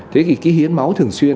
thế thì cái hiến máu thường xuyên